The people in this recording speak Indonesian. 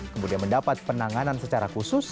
kemudian mendapat penanganan secara khusus